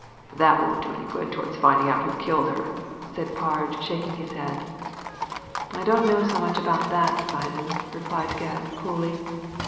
" That won't do any good towards finding out who killed her," said Parge, shaking his head. " I don't know so much about that, Simon," replied Gebb, coolly.